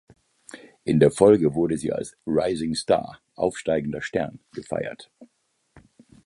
In der Folge wurde sie als „rising star“ („aufsteigender Stern“) gefeiert.